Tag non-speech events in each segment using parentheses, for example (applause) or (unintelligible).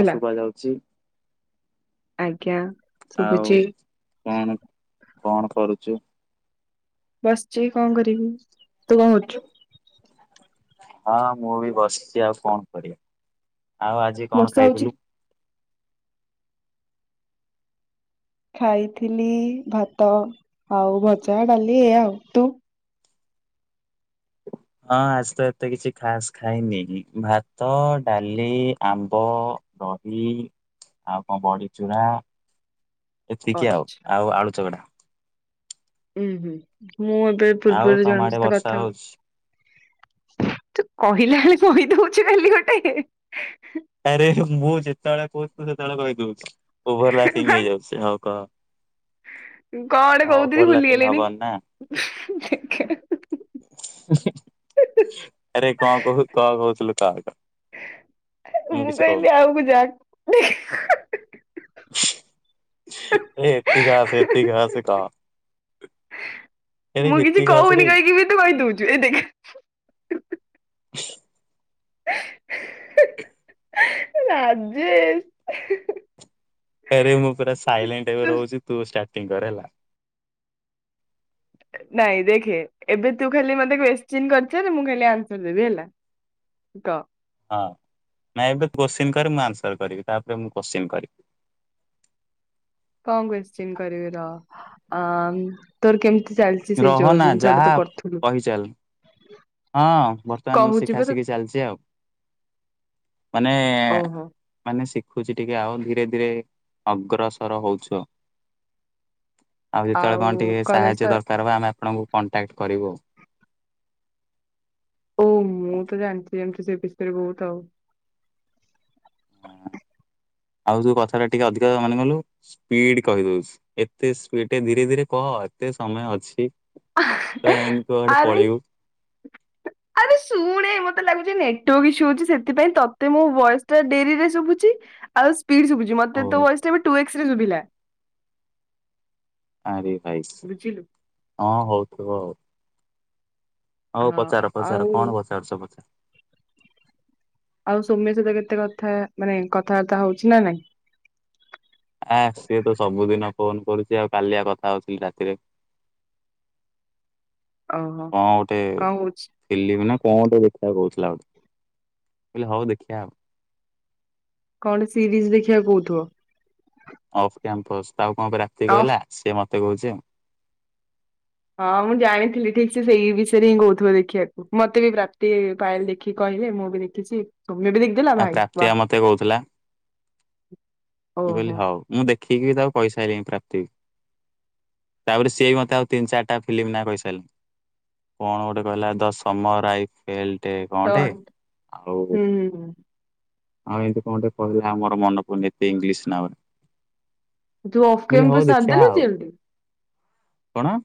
ହଁ ଶୁଭା ଯାଉଛି। ଆଜ୍ଞା। ଆଉ ଶୁଭୁଛି କଣ କଣ କରୁଛୁ। ବସିଚଛି କଣ କରିବି ତୁ କଣ କରୁଛୁ। ହଁ ମୁଁ ବି ବସିଛି ଆଉ କଣ କରିବା ଆଉ ଆଜି କଣ ବର୍ଷା ହଉଛି ଖାଇଥିଲୁ ଖାଇଥିଲି ଭାତ ଆଉ ଭଜା ଡାଲି ଏ ଆଉ ତୁ (inaudible) ହଁ ଆଜି ତ ଏତେ କିଛି ଖାସ ଖାଇନି ଭାତ ଡାଲି ଆମ୍ବ ଦହି ଆଉ କଣ ବଢ଼ି ଚୂୁରା ଏତିକି ଆଉ ଆଚ୍ଛା ଆଉ ଆଳୁ ଚକଡା ଉୁଁ ହୁଁ ମୁଁ ଏବେ ଆଉ ପୂର୍ବରୁ ତମ ଜଣ ଆଡେ ସହ ବର୍ଷା କଥା ହଉଛି ତୁ କହିଲା ବେଳେ କହିଦଉଛୁ କାଲି ଗୋଟେ ଆରେ ମୁହୁ ଯେତେବେଳେ କହୁଚ ତୁ ସେତବେଳେ କହି ଦଉଛୁ। ଓଭର ଲାଫିଙ୍ଗ କଣ ହେଇ ଯାଉଛ ହଉ କ ଗୋଟେ ହ କହୁଥିଲି ଓଭର ଲାଫିଙ୍ଗି ଭୁଲିଗଲିଣି। ହବନି ନା ଉଁ ହୁ ଆରେ କଣ କହୁ କଣ କହୁଥିଲୁ କା କ ମୁଁ କହିଲି ଆଉକୁ ଯାକୁ ଏ ଏତିି ଖାସ ଏତି ଖାସ କ ମୁଁ କିଛି କହୁନି କହିଇଁକି ବି ତୁ କହିଦଉଛୁ ଏତକି (inaudible) ରାଜେଶ ଆରେ ମୁଁ ପୁରା ସାଇଲେଣ୍ଟ ଏବେ ତୁ ରହୁଛି ତୁ ଷ୍ଟାର୍ଟିଂ କରେ ହେଲା ନାଇଁ ଦେଖେ ଏବେ ତୁ ଖାଲି ମତେ କ୍ଯୁସଚୀନ କରିଚାଲେ ମୁଁ ଖାଲି ଆନ୍ସର ଦେବି ହେଲା ତ ହଁ ନାଇଁ ଏବେ କୋଶ୍ଚିିନ କରେ ମୁଁ ଆନ୍ସର କରିବି ତାପରେ ମୁଁ କୋଶ୍ଚିନ୍ କରିବି କଣ କଶ୍ଚିନ୍ କରିବି ର ଆ ତୋର କେମିତି ଚାଲିଛି ସେଇ ରହ ଯୋଉ ନା ଜିନିଷ ଟା ଯାହା ତ କରଥିଲୁ କହିଚାଲ ହଁ ବର୍ତ୍ତମାନ ଶିଖା ଶିଖି ଚାଲିଛି ଆଉ ମାନେ ଓହୋ ମାନେ ଶିଖୁଛି ଟିକେ ଆଉ ଧୀରେ ଧୀରେ ଅଗ୍ରସର ହଉଛୁ (inaudible) ଆଉ ଯେତେବେଳେ କଣ ଟିକେ କଲେଜ ତ ସାହାଯ୍ୟ ଦରକାର ହବ ଆମେ ଆପଣଙ୍କୁ କଣ୍ଟାକ୍ଟ କରିବୁ ଆଉ ହଉ ମୁଁ ତ ଜାଣିଛି ଯେମତି ସେ ବିଷୟରେ ବହୁତ ଆଉ ଆଉ ତୁ କଥା ଟା ଟିକେ ଅଧିକା ମାନେ ଗଲୁ ସ୍ପିଡ କହିଦଉଛି ଏତେ ସ୍ପିଡ ଧୀରେ ଧୀରେ କହ ଏତେ ସମୟ ଅଛି ପୁରା ଏମି କୁଆଡେ ଆରେ ପଳେଇବୁ (inaudible) ଆରେ ଶୁଣେ ମତେ ଲାଗୁଛି ନେଟୱାର୍କ ଇସୁ ହଉଛି ସେଥିପାଇଁ ତତେ ମୋ ବୟସ ଟା ଡେରିରେ ଶୁଭୁଛି ଆଉ ସ୍ପଡି ଶୁଭୁଚି ମତେ ତୋ ହଉ ବୟସ ଟା ବି ଟୁ ଏସରେ ଶୁଭିଲା ଆରେ ହାଇଛି ବୁଝିଲୁ ହଁ ହଉଥିବ ଆଉ ହଉ ହଁ ପଚାର ପଚାର ଆଉ କଣ ପଚାରୁଛ ପଚାର ଆଉ ସୋମ୍ୟ ସହିତ କେତେ କଥା ମାନେ କଥାବାର୍ତ୍ତା ହଉଛି ନା ନାଇଁ ଆ ସିଏ ତ ସବୁଦିନ ଫୋନ କରୁଛି ଆଉ କାଲିଆ କଥା ହଉଥିଲି ରାତିରେ (inaudible) ଓହୋ କଅ ଗୋଟେ କଣ କହୁଛି? ଫିମିଲି ନା କଣ ଟ ଦେଖିବାକୁ କହୁଥିଲା ଗୋଟେ ବୋଇଲେ ହଉ ଦେଖିବା ଆଉ କଣ ସିରିଜ ଦେଖିବାକୁ କହୁଥିବ ଅଫ୍ କ୍ୟାମ୍ପସ୍ ଆଉ କଣ କରିବା। ସିଏ ଅଫ୍ କହିଲା ସିଏ ମତେ କହୁଛି ଆଉ। ହଁ ମୁଁ ଜାଣିଥିଲି, ଠିକ ସେ ସେଇ ବିଷୟରେ ହିଁ କହୁଥିବ ଦେଖିବାକୁ। ମତେ ବି ପ୍ରାପ୍ତି ଫାଇଲ ଦେଖିକି କହିଲେ, ମୁଁ ବି ଦେଖିଛି ତମେ ବି ଦେଖ। ଆ ପ୍ରାପ୍ତି ବା ମତେ କହୁଥିଲା। ମୁଁ କହିଲି ଓହୋ ହଉ। ମୁଁ ଦେଖିକି ତାକୁ କହିସାଇଲିନି ପ୍ରାପ୍ତି କୁ। ତାପରେ ସି ବି ମୋତେ ଆଉ ତିନି ଚାରିଟା ଫିଲ୍ମ ନା କହିସାରିଲି। କଣ ଗୋଟେ କହିଲା ଦଶମରେ ରାଇ ଫେଲଟେ କଣଟେ ଆଉ? ହୁଁଁ ହୁଁ। ହଁ ଏମିତି କଣ ଗୋଟେ କହିଲା? ଆମର ମନେ ପଡୁନି ଏତେ ଇଂଲିଶ ନା। ତୁ ଅଫ ମୁଁ କହିଲି ହଉ କେମ ସାଧ ଦେଖିବା ଆଉ ଦେଲୁଛି ଏଠି। କଣ?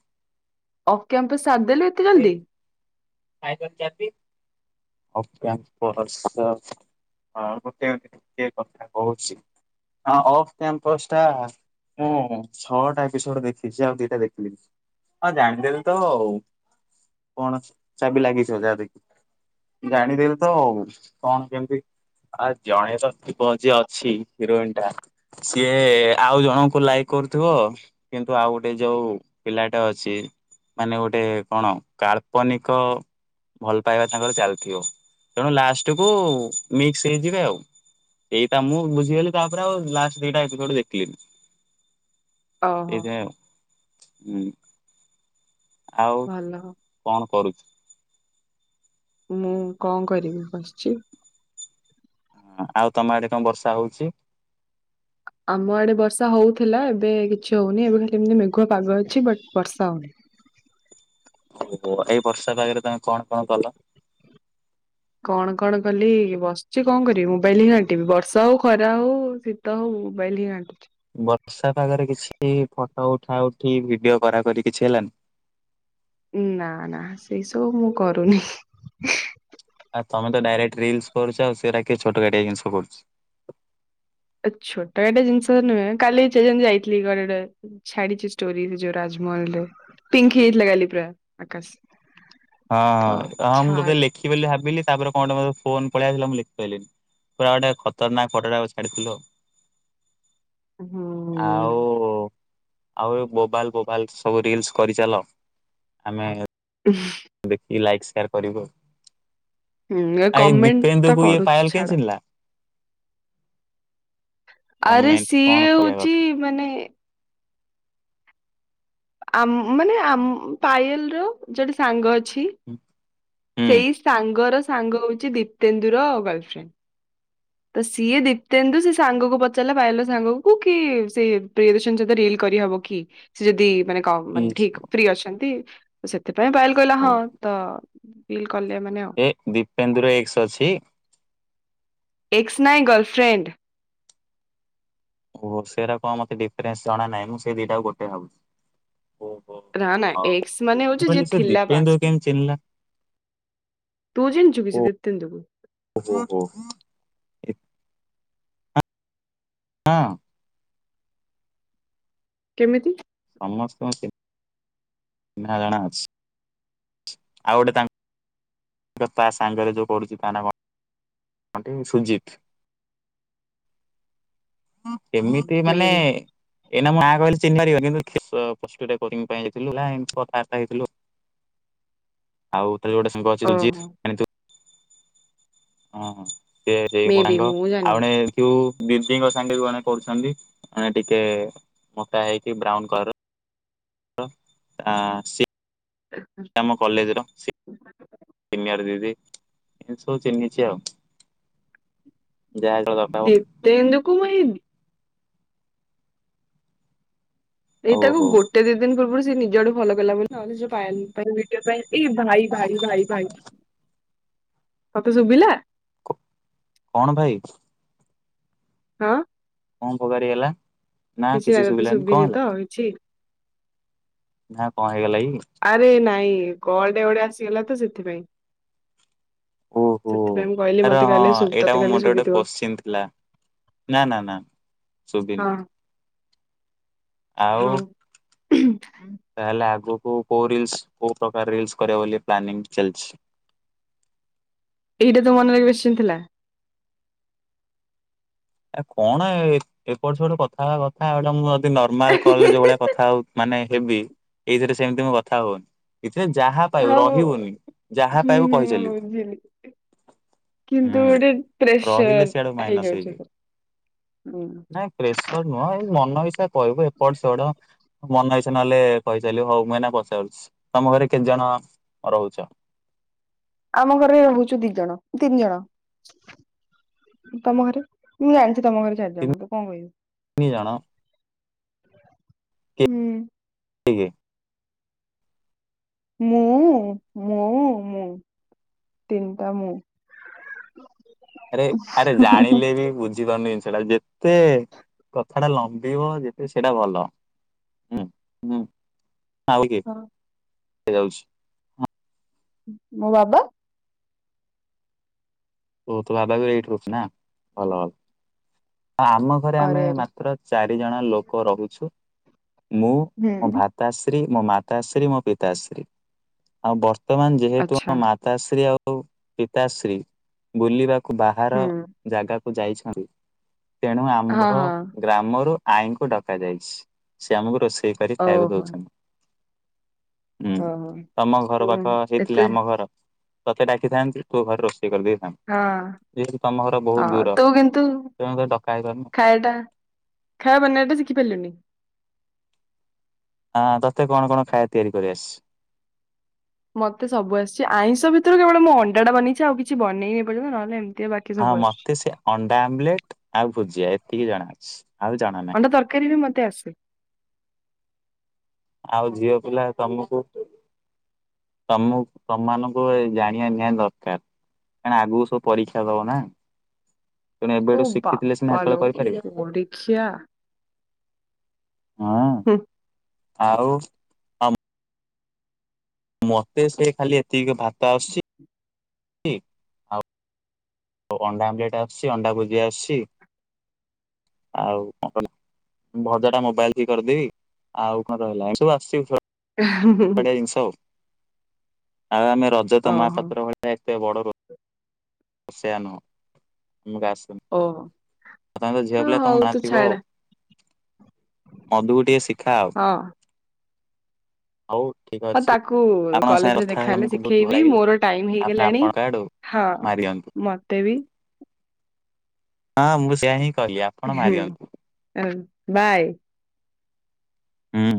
ଅଫ୍ କ୍ୟାମ୍ପସ୍ ସାର୍ ଦେଲେ। ହେଇ ସାଇକେଲ ଚାବି। (unintelligible) ହଁ ଗୋଟେ ଟିକେ କଥା କହୁଛି ହଁ ଅଫ୍ କ୍ୟାମ୍ପସ ଟା ମୁଁ ଛଅଟା ଏପିସୋଡ ଦେଖିଛି ଆଉ ଦିଟା ଦେଖିନି ହଁ ଜାଣିଦେଲି ତ ଆଉ। କଣ ଚାବି ଲାଗିଛି ଯାହା ଦେଖ୍ ଜାଣିଦେଲି ତ ଆଉ କଣ କେମିତି ଆ ଜଣେ ତ (inaudible) ଅଛି ହିରୋଇନ ଟା। ସିଏ ଆଉ ଜଣଙ୍କୁ ଲାଇକ୍ କରୁଥିବ କିନ୍ତୁ ଆଉ ଗୋଟେ ଯୋଉ ପିଲାଟା ଅଛି, ମାନେ ଗୋଟେ କଣ କାଳ୍ପନିକ ଭଲ ପାଇବା ତାଙ୍କର ଚାଲିଥିବ। ତେଣୁ ଲାଷ୍ଟକୁ ମିକ୍ସ ହେଇଯିବେ ଆଉ। ଏଇଟା ମୁଁ ବୁଝିଗଲି ତାପରେ ଆଉ ଲାଷ୍ଟ ଦିଟା ଏପିସୋଡ ଦେଖିଲିନି। ଓହୋ ଏଇଟା ହୁଁ। ଆଉ ଭଲ କଣ କରୁଛ? ମୁଁ କଣ କରିବି ବସିଛି। ହୁଁ, ଆଉ ତମ ଆଡେ କଣ ବର୍ଷା ହଉଛି? ଆମ ଆଡେ ବର୍ଷା ହଉଥିଲା ଏବେ କିଛି ହଉନି ଏବେ ଖାଲି ଏମିତି ମେଘୁଆ ପାଗ ଅଛି ବଟ୍ ବର୍ଷା ହଉନି। ଓହୋ, ଏଇ ବର୍ଷା ପାଗରେ ତମେ କଣ କଣ କଲ? କଣ କଣ କଲି ବସିଛି କଣ କରିବି ମୋବାଇଲ ହିଁ ଘାଣ୍ଟିବି ବର୍ଷା ହଉ ଖରା ହଉ ତ ହଉ ମୋବାଇଲ୍ ଘାଣ୍ଟୁଛି। ବର୍ଷା ପାଗରେ କିଛି ଫଟୋ ଉଠା ଉଠି ଭିଡିଓ କରା କରି କିଛି ହେଲାନି? ନା ନା ସେଇ ସବୁ ମୁଁ କରୁନି। ଆ ତମେ ତ ଡାଇରେକ୍ଟ ରିଲସ କରୁଛ ଆଉ ସେଇଗୁଡା କିଏ ଛୋଟ କାଟିଆ ଜିନିଷ କରୁଛି। ଛୋଟ କାଟିଆ ଜିନିଷ ନୁହେଁ, କାଲି ଯେ ଯେମିତି ଯାଇଥିଲି କୁଆଡେ ଗୋଟେ ଛାଡିଛି ଷ୍ଟୋରି ଯୋଉ ରାଜମହଲରେ, ପିଙ୍କ ହେଇ ଯାଇଥିଲା କାଲି ପୁରା ଆକାଶ। ତ ହଁ, ହଁ ମୁଁ ଛାଡ ବୋଧେ ଲେଖିବି ବୋଲି ଭାବିଲି, ତାପରେ କଣ ଗୋଟେ ମତେ ଫୋନ ପଳେଇ ଆସିଲା ମୁଁ ଲେଖି ପାରିଲିନି। ପୁରା ଗୋଟେ ଖତର ନାକ ଫଟୋଟା ଛାଡିଥିଲ ଆଉ। ହୁଁ। ଆଉ ଆଉ ବୋବାଲା ବୋବାଲା ସବୁ ରିଲସ କରିଚାଲ। ଆମେ ହୁଁ। ଦେଖିକି ଲାଇକ୍ ସେୟାର କରିବୁ ଆଉ। ଆ ଏ କମେଣ୍ଟ ତ ଦିପେନ୍ଦୁକୁ ଇଏ କରୁଛି ପାଏଲ ଛାଡ କେମିତି ଚିହ୍ନିଲା? ଆରେ କମେଣ୍ଟ କଣ ସିଏ କହିବା ହଉଛି କଥା। ମାନେ। ଆମ ମାନେ ଆମ ପାଏଲର ଜଣେ ସାଙ୍ଗ ଅଛି। ହୁଁ। ସେଇ ସାଙ୍ଗ ର ସାଙ୍ଗ ହଉଛି ଦୀପେନ୍ଦୁର ଗର୍ଲଫ୍ରେଣ୍ଡ। ତ ସିଏ ଦୀପ୍ତେନ୍ଦୁ ସେ ସାଙ୍ଗକୁ ପଚାରିଲା ପାଏଲର ସାଙ୍ଗକୁ କି ସେ ପ୍ରିୟଦର୍ଶନୀ ସହିତ ରିଲ୍ କରିହବ କି ସେ ଯଦି ମାନେ କ ମାନେ ଇସ ଠିକ ଫ୍ରି ଅଛନ୍ତି, ସେଥିପାଇଁ ପାଏଲ କହିଲ ଓ ହଁ ତ ବିଲ୍ କଲେ ଏମାନେ ଆଉ ଏ ଦିପେନ୍ଦୁର ଏକ୍ସ ଅଛି? ଏକ୍ସ ନାଇ ଗର୍ଲଫ୍ରେଣ୍ଡ। ଓହ ସେରା କଣ ମତେ ଡିଫରେସ ଜଣା ନାହିଁ ମୁଁ ସେ ଦିଟାକୁ ଗୋଟେ ଭାବୁଚି। ନା ନା ଏକ୍ସ ମାନେ ମୁଁ ହଉଚି ଯିଏ କହିଲି ସେ ଥିଲା ଦୀପେନ୍ଦୁ ପାଷ୍ଟ ରେ। କେମିତି ଚିହ୍ନିଲା ତୁ ଚିହ୍ନିଛୁି କି ଓ ସେ ଦିପ୍ତେନ୍ଦୁକୁ? (unintelligible) ଏ- (unintelligible) କେମିତି? ସମସ୍ତଙ୍କ ଚିହ୍ନା ଜଣା ଅଛି। ଆଉଗୋଟେ ତାଙ୍କ ତା ସାଙ୍ଗରେ ଯୋଉ ପଢୁଛି ତା ନାଁ କଣ କଣତି ସୁଜିତ୍। କେମିତି ମେ ମାନେ ବି ଏଇନା ମୋ ନାଁଆ କହିଲେ ଚିହ୍ନ ପାରିବ କିନ୍ତୁ ହସ୍ପିଟାଲ କୋଚିଂ ପାଇଁ ଯାଇଥିଲୁ ନା ଏମିତି କଥାବାର୍ତ୍ତା ହେଇଥିଲୁ। (inaudible) ଆଉ ତାର ଗୋଟେ ସାଙ୍ଗ ଅଛି ସୁଜିତ୍ ଓହୋ ଜାଣିଥିବୁ ହଁ ହଁ। ସିଏ ସିଏ ମେ ମୋ ବି ସାଙ୍ଗ ମୁଁ ଜାଣିନି ଆଉଜଣେ ଯୋଉ ଦିଦିଙ୍କ ସାଙ୍ଗେ ଜଣେ ପଢୁଛନ୍ତି ଜଣେ ଟିକେ ମୋଟା ହେଇକି ବ୍ରାଉନ କର। (unintelligible) ଆଁ ସେ (unintelligible) ଆମ କଲେଜର ସେ (unintelligible) ସିନିୟର ଦିଦି ସବୁ ଚିହ୍ନିଛି ଆଉ। ଯାହା ହେଲେ ତ (unintelligible) ଏଇନେ କମେଇବି। ଏଇ ଆଉ ତାକୁ ହଉ ଗୋଟେ ଦିନ ଦିନ ପୂର୍ବରୁ ସେ ନିଜ ଆଡୁ ଫଲୋ କଲା ବୋଲି ନହେଲେ ଯୋଉ ପାଇଁ ଭିଡିଓ ପାଇଁ ଏଇ ଭାଇ-ଭାଇ-ଭାଇ-ଭାଇ। ତତେ ଶୁଭିଲା? କଣ ଭାଇ? ହଁ। କଣ ଫୋବାଡି ହେଲା? ନା କିଛି ଶୁଭିଲାନି କଣ ହେଲା? ହୋଉଛି। ହଁ କଣ ହେଇଗଲା କି? ଆରେ ନାଇଁ କଲଟେ ଗୋଟେ ଆସିଗଲା ତ ସେଥିପାଇଁ। ଓହୋ ସେଥିପାଇଁ ମୁଁ କହିଲି ଆରେ ମତେ ହଁ କହିଲେ ଶୁ ତତେ ଏଇଟା ମୋ କହିଲେ ମୁଣ୍ଡରେ ଗୋଟେ ଶୁଭିଥିବ କୋତ୍ସିନୀ ଥିଲା। ନା-ନା-ନା ଶୁବିନି। ହୁଁ। ତାହେଲେ ଆଗକୁ କୋଉ ରିଲସ୍? କୋଉ ପ୍ରକାର ରିଲସ୍ କରିବ ବୋଲି ପ୍ଲାନିଂ ଚାଲିଛି? ଏଇଟା ତୋ ମନରେ କୋତ୍ସିନି ଥିଲା? ଆଉ କଣ ଏପଟ ସେପଟ କଥା ହେବା। (unintelligible) ଏ ନର୍ମାଲ କଲେ ଯୋଉ ଭଳିଆ କଥା ହୋଉ ମାନେ ହେବି ଏଇ‌ ଯଦି ସେମିତି ମୁଁ କଥା ହଉନି। ଏଥିରେ ଯାହା ପାଇବୁ ହଉ ହଉ ରହିବୁନି ଯାହା ପାଇବୁ ହୁଁ-ହୁଁ-ହୁଁ କହିଚାଲିବୁ। ବୁଝିଲି। କିନ୍ତୁ ହୁଁ ଗୋଟେ ରହିଲେ ସିଆଡୁ ପ୍ରେସର ହେଇଯାଉଚି। (unintelligible) ହୁଁ ହୁଁ। ହଁ ପ୍ରେସର ନୁହଁ ଏଇ ମନ ଇଚ୍ଛା କହିବୁ ଏପଟ ସେଢ। ମନ ଇଚ୍ଛା ନହଲେ କହିଚାଲିବ। ହଉ ମୁଁ ଏନା ପଚାରୁଚି, ତମ ଘରେ କେତେ ଜଣ ରହୁଚ? ଆମ ଘରେ ରହୁଚୁ ଦି ଜଣ ତିନି ଜଣ। ତମ ଘରେ, ମୁଁ ଜାଣିଚି ତମ ଘରେ ଚାରି ଜଣ ତିନି ତୁ କଣ କହିବୁ। (unintelligible) ଜଣ। ହୁଁ। ଆଜ୍ଞା। ମୁଁ ମୁଁ ମୁଁ। ତିନିଟା ମୁଁ। ଆରେ ଆରେ ଜାଣିଲେ ବି ବୁଝିପାରୁନି ଜିନିଷ ଟା ଯେ ଏତେ କଥା ଟା ଲମ୍ବିବ ଯେତେ ସେଟା ଭଲ। ହୁଁ ହୁଁ ଆହୁରି ହଁ କିଏ ଯାଉଛି। ମୋ ବାବା। ଓ ତୁ ବାବା ଏବେ ଏଇଠି ରହୁଛି ନା ଭଲ ଆ ଆମ ଘରେ ଆରେ ଆମେ ଆରେ ମାତ୍ର ଚାରି ଜଣ ଲୋକ ରହୁଛୁ ମୁଁ ମୋ ହୁଁ। ଭା ପିତାଶ୍ରୀ ମୋ ମାତାଶ୍ରୀ ମୋ ପିତାଶ୍ରୀ ଆଉ ବର୍ତ୍ତମାନ ଯେହେତୁ ମୋ ମା ପିତାଶ୍ରୀ ଆଉ ପିତାଶ୍ରୀ ବୁଲିବାକୁ ବାହାର ଜାଗାକୁ ଯାଇଛନ୍ତି ତେଣୁ ଆମ୍ଭ ଗ୍ରାମରୁ ଆଈଙ୍କୁ ଡକ ଯାଇଛି ସେ ଆମକୁ ରୋଷେଇ କରି ଖାଇବାକୁ ଦଉଛନ୍ତି। ହୁଁ ତମ ଘର ପାଖ ଏତେ ହେଇଥିଲେ ଆମ ଘର ତତେ ଡାକିଥାନ୍ତି ତୋ ଘରେ ରୋଷେଇ କରିଦେଇଥାନ୍ତ। ହଁ। ଯେହେତୁ ତମ ଘର ବହୁତ ହଁ ଦୂର ତେଣୁ କରି ଡକା ହେଇପାରୁନି। ଏଇଟା ଖାଇବା ବନେଇବାଟା ଶିଖିପାରିଲୁନି। ହଁ ତତେ କଣ କଣ ଖାଇବା ତିଆରି କରି ଆସିଚି। ମତେ ସବୁ ଆସିଛି ଆଇଁଷ ଭିତରୁ କେବଳ ମୁଁ ଅଣ୍ଡା ଟା ବନେଇଛି ଆଉ କିଛି ବନେଇ ଏପର୍ଯନ୍ତ ନହେଲେ ଏମିତି ବଟ୍ ହଁ ମତେ ସେ ଅଣ୍ଡା ଆମଲେଟ୍ ଆଉ ଭୁଜିଆ ଏତିକି ଜଣା ଅଛି ଆଉ ଜଣା ନାହିଁ। ଫିରି ବି ମୋତେ ଆସେ। ଆଉ ଝିଅ ପିଲା ତମକୁ ତମକୁ ତମାନଙ୍କୁ ଏ ଜାଣିବା ନିଆ ଦରକାର। କାଣ ଆଗକୁ ସବୁ ପରୀକ୍ଷା ଦଉନା ତେଣୁ ଏବେଠୁ ଶିଖିଥିଲେ ସିନା ହେତେବେଳେ ପରିକ୍ଷା ଦେବେ। ଆଖିଆ ହଁ। ହୁଁ। ଆଉ। ମତେ ସେ ଖାଲି ଏତିକି ଭାତ ଆସୁଛି। ଆଉ ଆଉ ଅଣ୍ଡା ଆମ୍ଲେଟ୍ ଆସୁଛି ଅଣ୍ଡା ଭୁଜିଆ ଆସୁଛି। ଆଉ କଣ କହିଲ ଭଜା ଟା ମୋବାଇଲି ଦେଖି କରିଦେବି ଆଉ କଣ ରହିଲା ହେଟୁ ଆସିଚି ସ ହା ହୁଁ ହୁଁ। ଗୋଟେ ଜିନିଷ ଆଉ ଆମେ ରଜ ତ ଓହୋ ମହାପାତ୍ର ଭଳିଆ ଏତେ ବଡ ର ସେଆ ନୁହଁ ମୁ ଓହୋ ବାସନ ତାଙ୍କ ଝିଅ ହଁ, ପିଲା ହଉ ତମ ତୁ ଘାଣ୍ଟିବ ଛାଡ ଆଉ। ଅଧୁକୁ ଟିକେ ଶିଖାଅ ହଁ ଆଉ ଠିକ୍ ଅ ହଁ ତାକୁ କଲେଜରେ ଦେଖାହେଲେ ବହୁତ ଭଲ ଶିଖେଇବି ଲାଗିଲା ମୋର ଟାଇମ୍ ହେଇଗଲାଣି ହଁ ବାହାରିଯାନ୍ତୁ। ମତେ ବି ହଁ ମୁଁ ସେୟା ହିଁ କହିଲି ଆ ହୁଁ ବାଏ। ହୁଁ।